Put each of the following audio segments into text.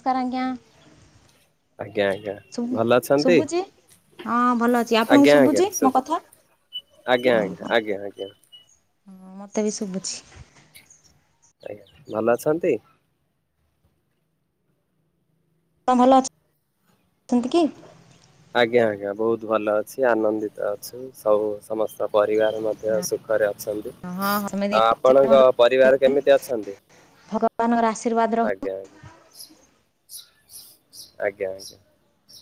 Sir ଆଜ୍ଞା ଆଜ୍ଞା ଆଜ୍ଞା ଶୁଭ ଭଲ ଅଛନ୍ତି? ଶୁଭୁଛିି? ହଁ ଭଲ ଅଛି, ଆପଣଙ୍କୁ ଆଜ୍ଞା ଆଜ୍ଞା ଶୁଭୁଛି ମୋ ସବୁ କଥା? ଆଜ୍ଞା ଓହୋ। ଆଜ୍ଞା ଆଜ୍ଞା ଆଜ୍ଞା। ହଁ ମତେ ବି ଶୁଭୁଛି। ଆଜ୍ଞା, ଭଲ ଅଛନ୍ତି? ହଁ ଭଲ ଅଛି। ଅଛନ୍ତି କି? ଆଜ୍ଞା ଆଜ୍ଞା ବହୁତ ଭଲ ଅଛି, ଆନନ୍ଦିତ ଅଛି। ସବୁ ସମସ୍ତ ପରିବାର ମଧ୍ ଧ୍ୟ ସୁଖରେ ଅଛନ୍ତି, ହଁ ହଁ ସେମିତି ଆଉ ଆପଣଙ୍କ ପରିବାର କେମିତି ଅଛନ୍ତି? [unintelligible] ବାନଙ୍କର ଆଶୀର୍ବାଦ ରହୁ। ଆଜ୍ଞା ଆଜ୍ଞା ଆଜ୍ଞା ଆଜ୍ଞା।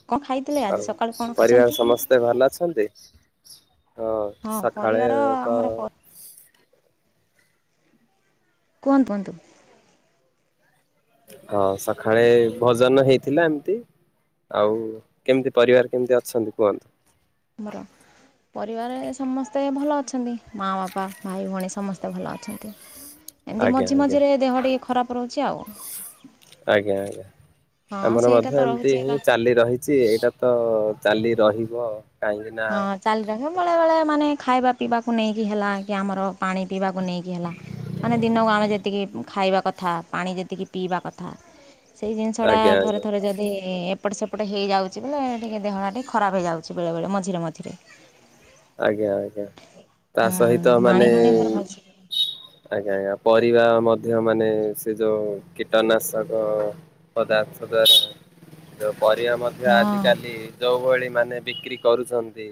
କଣ ଖାଇଥିଲେ ଆଜି ଆଉ ସକାଳୁ କଣ ପରିବାର ଖାଇଛନ୍ତି? ସମସ୍ତେ ଭଲ ଅଛନ୍ତି? ହଁ ସକାଳେ ପରିବାର ତ ଆମର ପ କୁହନ୍ତ କୁହନ୍ତୁ। ହଁ ସକାଳେ ଭଜନ ହେଇଥିଲା ଏମତି। ଆଉ କେମିତି ପରିବାର କେମିତି ଅଛନ୍ତି କୁହନ୍ତୁ? ଆମର? ପରିବାରରେ ସମସ୍ତେ ଭଲ ଅଛନ୍ତି ମାଆ, ବାପା, ଭାଇ, ଭଉଣୀ, ସମସ୍ତେ ଭଲ ଅଛନ୍ତି। ହଁ। ଏମିତି ମଝି ମଝିରେ ଦେହ ଟିକେ ଖରାପ ରହୁଛି ଆଉ। ଆଜ୍ଞା ଆଜ୍ଞା ହଁ ଆମର ସେଇଟା ମଧ୍ୟ ତ ରହୁଛି ଏମିତି ଏକା। ହିଁ ଚାଲି ରହି ଛି, ଏଇଟା ତ ଚାଲି ରହିବ କାହିଁକି ନା ହଁ ଚାଲି ରହିବ। ବେଳେ ବେଳେ ମାନେ ଖାଇବା ପିଇବାକୁ ନେଇକି ହେଲା, କି ଆମର ପାଣି ପିଇବାକୁ ନେଇକି ହେଲା। ମାନେ ଦିନକୁ ଆମେ ଯେତିକି ଖାଇବା କଥା, ପାଣି ଯେତିକି ପିଇବା କଥା। ସେଇ ଜିନିଷଟା ଆଜ୍ଞା ଥରେ ଆଜ୍ଞା ଥରେ ଯଦି ଏ ଏପଟ ସେପଟ ହେଇଯାଉଛି ବୋଲେ, ଟିକେ ଦେହ ଟିକେ ଖରାପ ହେଇଯାଉଛି ବେଳେ ବେଳେ ମଝିରେ ମଝିରେ। ଆଜ୍ଞା ଆଜ୍ଞା ତା ହୁଁ ସହିତ ପାଣି ମାନେ ଫାଣି ଫେରେ ଭଲସେ ଆଜ୍ଞା ଆଜ୍ଞା ପରିବା ମଧ୍ୟ ମାନେ ସେ ଯୋଉ କୀଟନାଶକ ପଦାର୍ଥ ଦ୍ୱାରା ପରିବା ଆମର ହଁ ଆଜିକାଲି ଯେଉ ଭଳି ମାନେ ବିକ୍ରି କରୁଛନ୍ତି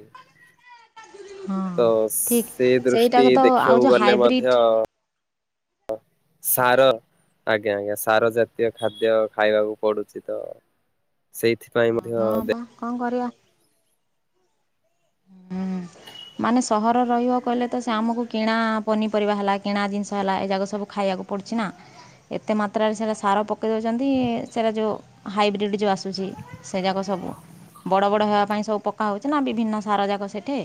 ହଁ ତ ଠିକ୍ ସେ ଦୃଷ୍ଟି ସେଇଟାକୁ ତ ଆଉ ଦେଖିବାକୁ ଯେଉଁ ଗଲେ ମଧ୍ୟ ହାଇବ୍ରିଡ଼୍ ସାର ଆଜ୍ଞା ଆଜ୍ଞା ସାର ଜାତୀୟ ଖାଦ୍ୟ ଖାଇବାକୁ ପଡୁଛି ତ ସେଇଥି ହଁ ପା କଣ କରିବା ହୁଁ ହିଁ ମାନେ ସହରରେ ରହିବାକୁ ହେଲେ ତ ସେ ଆମକୁ କିଣା ପନିପରିବା ହେଲା କିଣା ଜିନିଷ ହେଲା ଏଗୁରା ସବୁ ଖାଇବାକୁ ପଡୁଛିନା ଏତେ ମାତ୍ରାରେ ସେଗୁଡା ସାର ପକେଇ ଦେଉଛନ୍ତି ସେଟା ଯେଉଁ ହାଇବ୍ରିଡ଼୍ ଯେଉଁ ଆସୁଛି ସେ ଯାକ ସବୁ ବଡ଼ ବଡ଼ ହେବା ପାଇଁ ସବୁ ପକ୍କା ହେଉଛି ନା ବିଭିନ୍ନ ସାର ଯାକ ସେଠି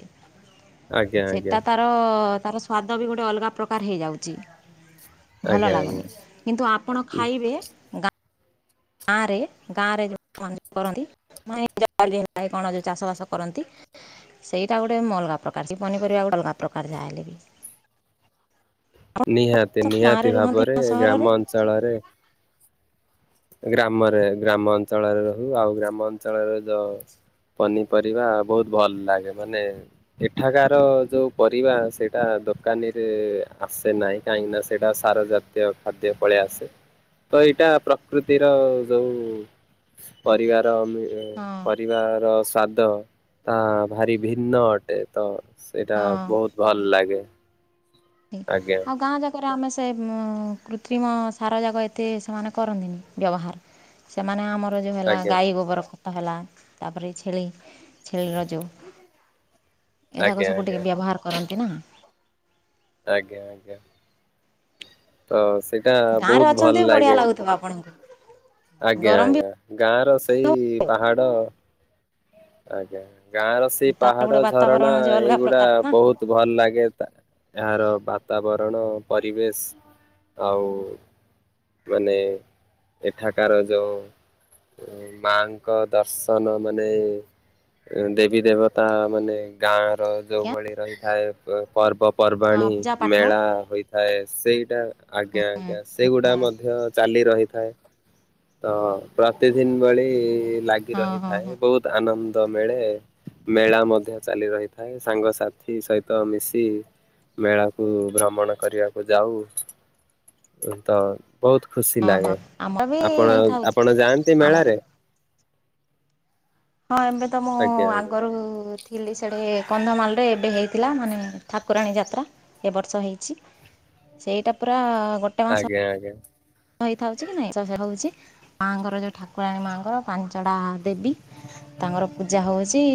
ଆଜ୍ଞା ଆଜ୍ଞା ସେଟା ତାର ତାର ସ୍ୱାଦ ବି ଗୋଟେ ଅଲଗା ପ୍ରକାର ହେଇଯାଉଛି ଭଲ ଆଜ୍ଞା ଆଜ୍ଞା ଲାଗୁନି କିନ୍ତୁ ଆପଣ ଖାଇବେ ଆରେ ଗାଁରେ ଯେଉଁ କରନ୍ତି ନାଇଁ କଣ ଯୋଉ ଚାଷ ବାସ କରନ୍ତି ସେଇଟା ଗୋଟେ ଅଲଗା ପ୍ରକାର ସେ ପନିପରିବା ଗୋଟେ ଅଲଗା ପ୍ରକାର ଯାହା ହେଲେ ବି ଆପଣ ନିହାତି ଗାଁରେ ନିହାତି ରୁହନ୍ତି ଭାବରେ ନା ସହରରେ? ଗ୍ରାମ ଅଞ୍ଚଳରେ ଗ୍ରାମରେ ଗ୍ରାମ ଅଞ୍ଚଳରେ ରହୁ ଆଉ ଗ୍ରାମ ଅଞ୍ଚଳରେ ଯ ପନିପରିବା ବହୁତ ଭଲ ଲାଗେ ମାନେ ଏଠାକାର ଯୋଉ ପରିବା ସେଇଟା ଦୋକାନୀରେ ଆସେ ନାହିଁ କାହିଁକି ନା ସେଇଟା ସାର ଜାତୀୟ ଖାଦ୍ୟ ପଳେଇ ଆସେ ତ ଏଇଟା ପ୍ରକୃତିର ଯୋଉ ପରିବାର ମ ହଁ ପରିବାର ସ୍ଵାଦ ତା ଭାରି ଭିନ୍ନ ଅଟେ ତ ସେଇଟା ହଁ। ବହୁତ ଭଲ ଲାଗେ ଆଜ୍ଞା ଆଉ ଗାଁ ଯାକ ଆମେ ସେ କୃତ୍ରିମ ସାର ଯାକ ଏତେ ସେମାନେ କରନ୍ତିନି ବ୍ୟବହାର ସେମାନେ ଆମର ଯେଉଁ ହେଲା ଆଜ୍ଞା ଗାଈ ଗୋବର ଖତ ହେଲା ତାପରେ ଛେଳି ଛେଳିର ଯେଉଁ ଏ ଯାକ ଆଜ୍ଞା ସବୁ ଆଜ୍ଞା ଟିକେ ବ୍ୟବହାର କରନ୍ତି ନା ଆଜ୍ଞା ଆଜ୍ଞା ତ ସେଇଟା ବହୁତ ଭଲ ଲାଗେ ତ ଆପଣଙ୍କୁ ଆଜ୍ଞା ଗରମ ବି ଆଜ୍ଞା ଗାଁର ସେଇ ପାହାଡ଼ ଆଜ୍ଞା ଗାଁ ର ସେଇ ତାର ପାହାଡ଼ ଗୋଟେ ଝରଣା ବାତାବରଣ ଯେ ଅଲଗା ଏଇଗୁଡା ପ୍ରକାର ନା ବହୁତ ଭଲ ଲାଗେ ଗାଁ ର ବାତାବରଣ ପରିବେଶ ଆଉ ମାନେ ଏଠାକାର ଯେଉଁ ମାଙ୍କ ଦର୍ଶନ ମାନେ ଦେବୀ ଦେବତା ମାନେ ଗାଁ ଆଜ୍ଞା ଯେଉଭଳି ରହିଥାଏ ହଁ ପର୍ବପର୍ବାଣିୀ ପୂଜା ପାଠ ମେଳା ହୋଇଥାଏ ଥାଏ ସେଇଟା ଆଜ୍ଞା ଆଜ୍ଞା ହଁ ସେଇଗୁଡା ମଧ୍ୟ ଚାଲି ରହିଥାଏ ତ ପ୍ରତିଦିନ ଭଳି ଲାଗି ହଁ ହଁ ରହିଥାଏ ବହୁତ ଆନନ୍ଦ ମିଳେ ମେଳା ମଧ୍ୟ ଚାଲି ରହିଥାଏ ସାଙ୍ଗସାଥି ସହିତ ମିଶି ମେଳା କୁ ଭ୍ରମଣ କରିବାକୁ ଯାଉ ତ ବହୁତ ଖୁସି ଲାଗେ ଆମର ବି ଆପଣ ହେଇଥାଉଛି ଆପଣ ଯାଆନ୍ତି ଆମର ମେଳାରେ ହଁ ଏବେ ତ ମୁଁ ଆଜ୍ଞା ଆଜ୍ଞା ଆଗରୁ ଥିଲି ସେଠେ କନ୍ଧମାଳରେ ଏବେ ହେଇଥିଲା ମାନେ ଠାକୁରାଣୀ ଯାତ୍ରା ଏବର୍ଷ ହେଇଛି। ସେଇଟା ପୁରା ଗୋଟେ ଆଞ ଆଞ। ହେଇ ଥାଉଛି କି ନାଇଁ ହଉଛି ମାଆଙ୍କର ଯୋଉ ଠାକୁରାଣୀ ମାଆଙ୍କର ପାଞ୍ଚଟା ଦେବୀ ତାଙ୍କର ପୂଜା ହେଉଛି।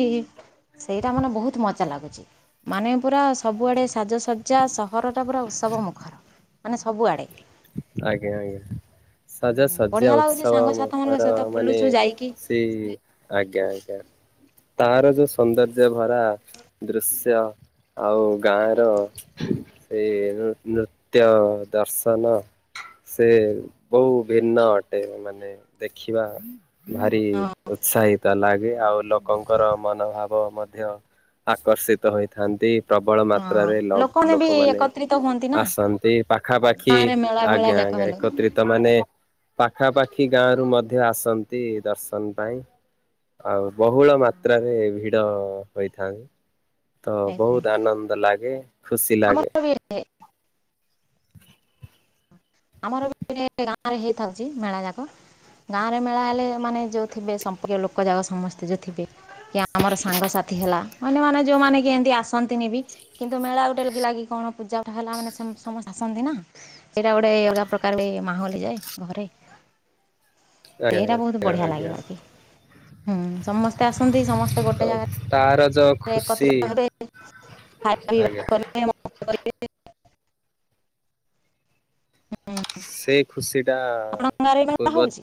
ସେଇଟା ମାନେ ବହୁତ ମଜା ଲାଗୁଛି। ମାନେ ପୁରା ସବୁଆଡ଼େ ସାଜସଜ୍ଜା ସହରଟା ପୁରା ଉତ୍ସବ ମୁଖର ମାନେ ସବୁଆଡ଼େ। ଆଜ୍ଞା ଆଜ୍ଞା ସଜ ବଢ଼ିଆ ଶଯ୍ୟା ଲାଗୁଛି ଉତ୍ସବ ସାଙ୍ଗସାଥି ମାନଙ୍କ ମର ସହିତ ମାନେ ବୁଲୁଛୁ ଯାଇକି। ସେ ଆଜ୍ଞା ଆଜ୍ଞା। ତାର ଯୋଉ ସୌନ୍ଦର୍ଯ୍ୟ ଭରା ଦୃଶ୍ୟ ଆଉ ଗାଁ ର ସେଇ ନୃତ୍ୟ ଦର୍ଶ ସେ ବହୁ ଭିନ୍ନ ଅଟେ ମାନେ ଦେଖିବା ଭାରି ହଁ ଉତ୍ସାହିତ ଲାଗେ ଆଉ ଲୋକଙ୍କର ମନୋଭାବ ମଧ୍ୟ ଆକର୍ଷିତ ହୋଇଥାନ୍ତି। ପ୍ରବଳ ହଁ ମାତ୍ରାରେ ବି ଲୋକମାନେ ଏକତ୍ରିତ ହୁଅନ୍ତି ନା। ଆସନ୍ତି ହୁଁ ପାଖାପାଖି ଆଜ୍ଞା ଗାଁରେ ମେଳା ଭେଳା ଯାକ ଆଜ୍ଞା ହେଲେ ବତ୍ରିତ ମାନେ ପାଖାପାଖି ଗାଁ ରୁ ମଧ୍ୟ ଆସନ୍ତି ଦର୍ଶନ ପାଇଁ। ଆଉ ବହୁଳ ମାତ୍ରାରେ ଭିଡ ହୋଇଥାନ୍ତି। ତ ହେଇଥାଏ ବହୁତ ଆନନ୍ଦ ଲାଗେ ଖୁସି ଲାଗେ। [inaudible] ଆମର ଗାଁ ରେ ହେଇଥାଉଛି ମେଳା ଯାକ। ଗାଁରେ ମେଳା ହେଲେ ମାନେ ଯେଉଁ ଥିବେ ସମ୍ପର୍କୀୟ ଲୋକ ଯାକ ସମସ୍ତେ ଯେଉଁ ଥିବେ। କି ଆମର ସାଙ୍ଗସାଥି ହେଲା ଅନ୍ୟମାନେ ଯୋଉମାନେ କି ଏମିତି ଆସ ହନ୍ତିନି ବି କିନ୍ତୁ ମେଳା ଗୋଟେ ଲ ଲାଗି କଣ ପୂଜା ଉଠା ହେଲା ମାନେ ସମସ୍ତେ ଆସନ୍ତି ନା। ସେଇଟା ଅଲଗା ପ୍ରକାର ମାହଲିଯାଏ ଘରେ। ଆଜ୍ଞା ସେଇଟା ବହୁତ ଆଜ୍ଞା ବଢିଆ ଆଜ୍ଞା ଲାଗେ ହୁଁ ସମସ୍ତେ ଆସନ୍ତି ସମସ୍ତେ ତ ଗୋଟେ ତାର ଯୋଉ ଜାଗାରେ ଖୁସି ଏକତ୍ରିତ ଭାବେ ଆଜ୍ଞା [unintelligible] [unintelligible] ସେଇ ଖୁସି ଟା ଆପଣଙ୍କ ଗାଁରେ ମେଳା ପୂର୍ବ ହଉଛି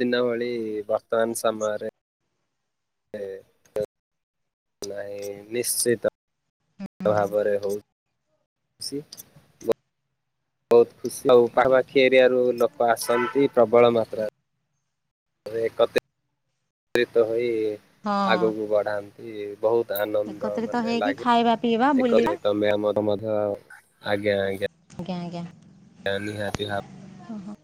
ଦିନ ଭଳି ବର୍ତମାନ ସମୟରେ [inaudible] ନାହିଁ ନିଶ୍ଚିତ ହୁଁ ଭାବରେ ହଉ। [inaudible] ବହୁତ ଖୁସି ଆଉ ଆଜ୍ଞା ଆଜ୍ଞା ପାଖାପଖି ଏରିଆ ର ଲୋକ ଆସନ୍ତି ପ୍ରବଳ ମାତ୍ରାରେ ତିତ ହୋଇ ହଁ। ଆଗକୁ ବଢ଼ାନ୍ତି ବହୁତ ଆନନ୍ଦ ଏକତ୍ରିତ ମାନେ ହେଇକି ଲାଗେ ଖାଇବା ପିଇବା ଏକ ବୁଲିବା ସହିତ ମ୍ୟାାମ ଆଜ୍ଞା ଆଜ୍ଞା। [inaudible] ମାନି ହ୍ୟାପି ହ୍ୟାପି ଓ ହୋ।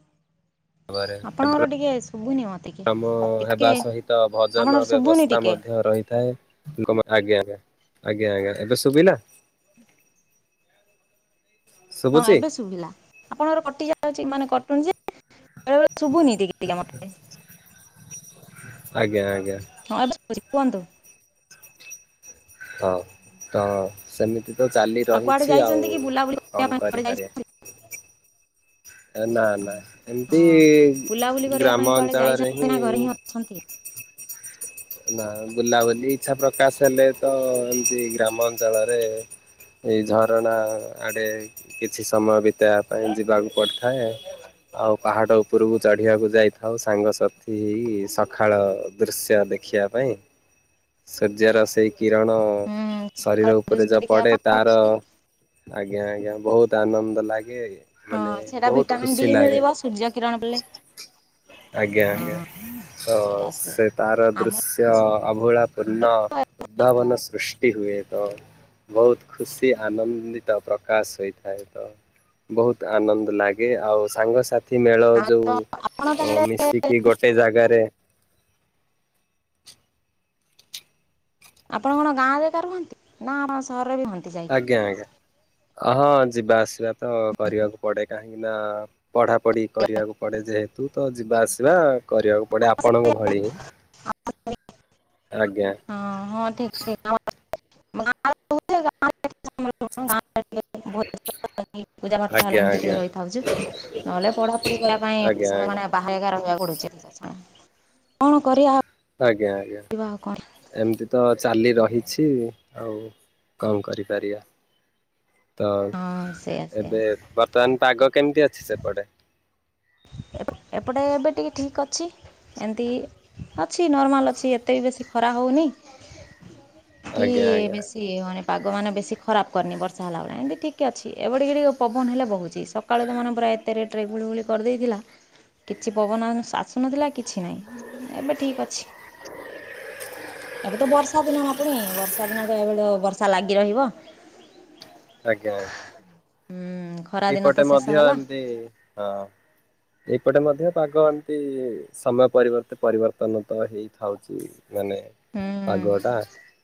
ଶୁଭୁନି ମତେ କି ମ ଟିକେ ହେବା ସହିତ ଭଜନ ଆପଣଙ୍କର ଶୁଭୁନି ବ୍ୟବସ୍ଥା ଟିକେ ମଧ୍ୟ ରହି ତ ଆଜ୍ଞା ଆ ଆଜ୍ଞା ଆଜ୍ଞା ଏବେ ଶୁଭିଲା। ହଁ ଶୁଭୁଛି ଏବେ ଶୁଭିଲା ଆପଣଙ୍କର କଟି ଯାଉ ଅଛି ମାନେ କଟୁନ ଯେ ବେଳେବେଳେ ଶୁଭୁନତି ତିକେ ତିକେ ମତେ। ଆଜ୍ଞା ଆଜ୍ଞା। ହଁ ଏବେ ଶୁଭୁଛି କୁହନ୍ତୁ। ହଁ ତ ସେମିତି ତ ଚାଲି ଆଉ କୁଆଡେ ରହିଛି ଆଉ ଯାଇଛନ୍ତି କି ବୁଲାବୁଲି କରିବା କଣ ପାଇଁ କୁଆଡେ ଯାଇ କରିପାରିବା। ନା ନା ଏମତି ହଁ। ଗ୍ରାମ ଅଞ୍ଚଳରେ ହିଁ ଛନ୍ତି ନା ବୁଲାବୁଲି ଇଚ୍ଛା ପ୍ରକାଶ ହେଲେ ତ ଏମତି ଗ୍ରାମ ଅଞ୍ଚଳରେ ଏଇ ଝରଣା ଆଡ଼େ କିଛି ସମୟ ବିତେଇବା ପାଇଁ ଯିବାକୁ ପଡ଼ିଥାଏ। ଆଉ ପାହାଡ ଉପରକୁ ଚଢିବାକୁ ଯାଇଥାଉ ସାଙ୍ଗସାଥି ହି ସକାଳ ଦୃଶ୍ୟ ଦେଖ ଦେଖିବା ପାଇଁ ସୂର୍ଯ୍ୟର ସେଇ କିରଣ ହୁଁ ଶରୀର ସକାଳ ଉପରେ ଯ ଦୃଶ୍ୟ ଦେଖିବା ପଡେ ପାଇଁ ତାର ଆଜ୍ଞା ଆଜ୍ଞା ବହୁତ ଆନନ୍ଦ ଲାଗେ। ହଁ ମାନେ ସେଟା ବହୁତ ଭିଟାମିନ୍ ଖୁସି ଡି ଲାଗେ ମିଳିବ ସୂର୍ଯ୍ୟ କିରଣ ବେଳେ। ଆଜ୍ଞା ଆଜ୍ଞା ତ ସେଇଆ ସେଇଆ ସେ ତାର ଆମ ଦୃଶ୍ୟ ସେ ଆଭୋଳା ପୂର୍ଣ ଉଦ୍ଧାବନ ସୃଷ୍ଟି ହୁଏତ। ବହୁତ ଖୁସି ଆନନ୍ଦିତ ପ୍ରକାଶ ହୋଇଥାଏ ତ ବହୁତ ଆନନ୍ଦ ଲାଗେ ଆଉ ସାଙ୍ଗସାଥି ମେଳର ଯୋଉ ଆପଣ ଓ ତାହେଲେ ମିଶିକି ଗୋଟେ ଜାଗାରେ ଆପଣ କଣ ଗାଁ ଜାଗା ରୁହନ୍ତି ନା ଆପଣ ସହରରେ ହୁଅନ୍ତି ଯାଇ। ଆଜ୍ଞା ଆଜ୍ଞା ହଁ ଯିବା ଆସିବା ତ କରିବାକୁ ପଡେ କାହିଁକି ନା ପଢା ପଢି କରିବାକୁ ପଡେ ଯେହେତୁ ତ ଯିବା ଆସିବା କରିବାକୁ ପଡେ ଆପଣଙ୍କ ଭଳି ହିଁ। ଆଜ୍ଞା। ହଁ ହଁ ଠିକ ଠିକ୍ [unintelligible] ଭୋଜି [unintelligible] ପୂଜା ପାଠ ହେ ଆଜ୍ଞା ଏମତି ଆଜ୍ଞା ଟିକେ ରହିଥାଉଚୁ ନହେଲେ ପଢା ପଢି କରିବା ପାଇଁ ଆଜ୍ଞା ସମୟ ଆଜ୍ଞା ମାନେ ବାହ ଏକା ରହିବାକୁ ପଡ଼ୁଛି କଣ କରିବା। ଆଜ୍ଞା ଆଜ୍ଞା। ଶିବା ଆଉ କଣ? ଏମିତି ତ ଚାଲି ରହିଛି ଆଉ କଣ କରିପାରିବା। ତ ହଁ ସେଇଆ ସେଇଆ। ଏବେ ବର୍ତ୍ତମାନ ପାଗ କେମିତି ଅଛି ସେପଟେ? ଏପଟେ ଏବେ ଟିକେ ଠିକ ଅଛି ଏମତି ଅଛି ନର୍ମାଲ ଅଛି ଏତେ ବି ବେଶୀ ଖରା ହଉନି କି ଆଜ୍ଞା ଆଜ୍ଞା ବେଶୀ କିଏ ହଉନି ପାଗ ମାନ ବେଶି ଖରାପ କରିନି ବର୍ଷା ହେଲାଭଳିଆ ଏମିତି ଠିକ ଟିକେ ଅଛି ଏବେ ଟିକେ ଟିକେ ପବନ ହେଲେ ବହୁଛି ସକାଳୁ ତ ମାନେ ଏତେ ରେଟରେ ଗୁଳିଗୁଳି କରିଦେଇଥିଲା। କିଛି ପବନ ଆସୁନଥିଲା କିଛି ନାହିଁ ଏବେ ଠିକ୍ ଅଛି। ଏବେ ତ ବର୍ଷା ଦିନ ପୁଣି ବର୍ଷା ଦିନ ତ ଏବେ ବର୍ଷା ଲାଗି ରହିବ। [inaudible] ଆଜ୍ଞା ଆଜ୍ଞା। ହୁଁ ଖରା ଦିନ ତ ଏପଟେ ଶେଷ ମଧ୍ୟ ହେଲା ଏମିତି ହଁ ଏଇପଟେ ମଧ୍ୟ ପାଗ ଏମିତି ସମୟ ପରିବର୍ତ୍ତ ପରିବର୍ତନ ତ ହେଇଥାଉଛି। ମାନେ ହୁଁ ପାଗ ଟା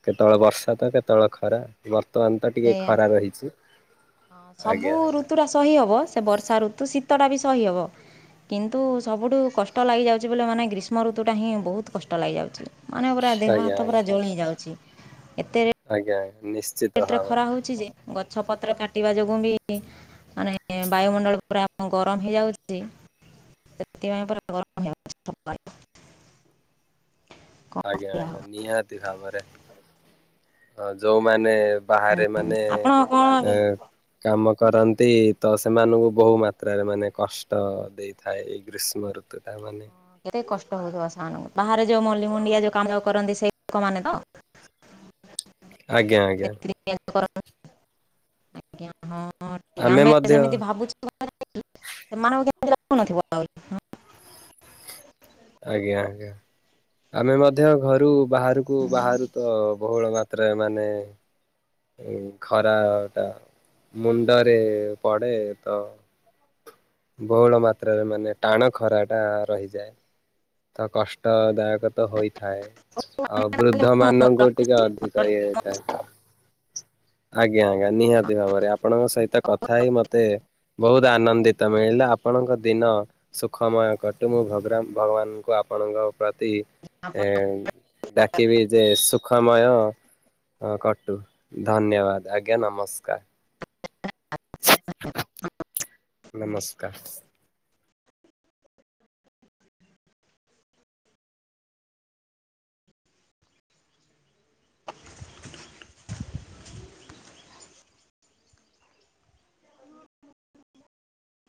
କେତେବେଳେ ବର୍ଷା ତ କେତେବେଳେ ଖରା। ବର୍ତ୍ତମାନ ତ ଟିକେ ସେଇଆ। ଖରା ରହିଛି ଆଜ୍ଞା ଆଜ୍ଞା। ପୁରା ସହି ହବ। ବର୍ଷା ଋତୁ ଶୀତ ଟା ବି ସହି ହବ। କିନ୍ତୁ ସବୁଠୁ କଷ୍ଟ ଲାଗିଯାଉଛି ବୋଲି ମାନେ ଗ୍ରୀଷ୍ମ ଋତୁଟା ହିଁ ବହୁତ କଷ୍ଟ ଲାଗିଯାଉଛି। ମାନେ ପୁରା ଦେହ ଆଜ୍ଞା ଆଜ୍ଞା ହାତ ପୁରା ଜଳି ଯାଉଛି ଏତେରେ ଆଜ୍ଞା ନିଶ୍ଚୟ। ଏତେ ଖରା ହଉଛି ଯେ ଗଛ ପତ୍ର କାଟିବା ଯୋଗୁଁ ବି ମାନେ ବାୟୁମଣ୍ଡଳ ପରା ଗରମ ହେଇଯାଉଛି। ସେଥିପାଇଁପରା [unintelligible] [inaudible] ଆଜ୍ଞା ଆଜ୍ଞା ଆଉ ନିହାତି ଭାବରେ ଯୋଉମାନେ ବାହାରେ ମାନେ ଆପଣ କ'ଣ ଏ ଏବେ କାମ କରନ୍ତି ତ ସେମାନଙ୍କୁ ବହୁ ମାତ୍ରାରେ ମାନେ କଷ୍ଟ ଦେଇଥାଏ ଏଇ ଗ୍ରୀଷ୍ମ ଋ ତ ତାମାନେ କେତେ କଷ୍ଟ ହଉିବ ସେମାନଙ୍କୁ ବାହାରେ ଯୋଉ ମଳିମୁଣ୍ଡିଆ ଯୋଉ କାମ କରନ୍ତି ସେଇ ଲୋକମାନୋନେ ତ ଆଜ୍ଞା ଆଜ୍ଞା। ଏମିତି କରୁ [unintelligible] ଆଜ୍ଞା ହଁ ଆମେ ସେମିତି ଭାବୁଛେ [unintelligible] ସେମାଙ୍କୁ କେମିତି ଲାଗୁ ନଥିବ। ଆଜ୍ଞା ଆଜ୍ଞା ଆମେ ମଧ୍ୟ ଘରୁ ବାହାରକୁ ବାହାରୁ ତ ବହୁଳ ମା ରେ ମାନେ ଖରା ଟା ମୁଣ୍ଡରେ ପଡେ ତ ବହୁଳ ମାତ୍ରାରେ ମାନେ ଟାଣ ଖରାଟା ରହିଯାଏ। ତ କଷ୍ଟଦାୟକ ତ ହୋଇଥାଏ। ଅବୃଦ୍ଧ ମାନଙ୍କୁ ଟିକେ ଅଧିକ [unintelligible] ଆଜ୍ଞା ଆଜ୍ଞା ନିହାତି ଭାବରେ ଆପଣଙ୍କ ସହିତ କଥା ହେଇ ମତେ ବହୁତ ଆନନ୍ଦିତ ମିଳିଲା ଆପଣଙ୍କ ଦିନ ସୁଖମୟ କଟୁ ମୁଁ ଭଗ୍ର ଭଗବାନଙ୍କୁ ଆପଣଙ୍କ ପ୍ରତି ଏ ଡାକିବି ଯେ ସୁଖମୟ କଟୁ। ଧନ୍ୟବାଦ ଆଜ୍ଞା ନମସ୍କାର। ନମସ୍କାର।